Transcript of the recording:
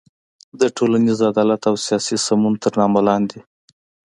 د ټولنیز عدالت او سیاسي سمون تر نامه لاندې